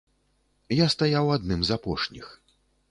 Я стаяў адным з апошніх.